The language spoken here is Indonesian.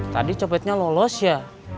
tadi copetnya lolos ya